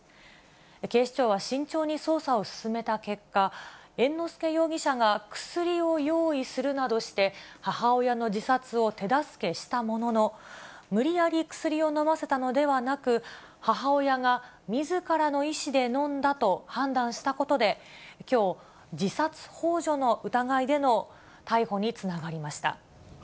警視庁は慎重に捜査を進めた結果、猿之助容疑者が薬を用意するなどして、母親の自殺を手助けしたものの、無理やり薬を飲ませたのではなく、母親がみずからの意思で飲んだと判断したことで、きょう、自殺ほう助の疑いでの逮捕につながりました。